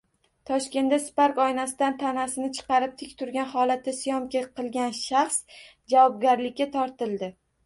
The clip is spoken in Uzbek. Toshkentda Spark oynasidan tanasini chiqarib, tik turgan holatda syomka qilgan shaxs javobgarlikka tortildi